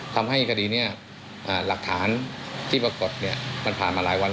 ทำให้คดีนี้หลักฐานที่ปรากฏมันผ่านมาหลายวัน